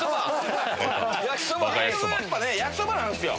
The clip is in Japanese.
結局やっぱ焼きそばなんすよ！